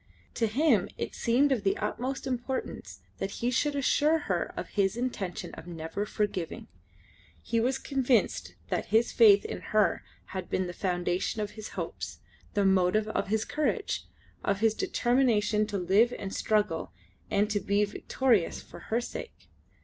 To him it seemed of the utmost importance that he should assure her of his intention of never forgiving. He was convinced that his faith in her had been the foundation of his hopes, the motive of his courage, of his determination to live and struggle, and to be victorious for her sake.